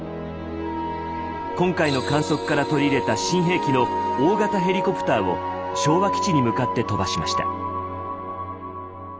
今回の観測から取り入れた新兵器の大型ヘリコプターを昭和基地に向かって飛ばしました。